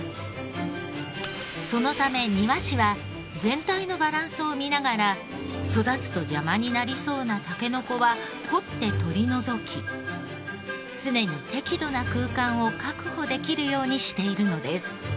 そのため庭師は全体のバランスを見ながら育つと邪魔になりそうなタケノコは掘って取り除き常に適度な空間を確保できるようにしているのです。